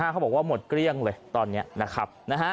เขาบอกว่าหมดเกลี้ยงเลยตอนนี้นะครับ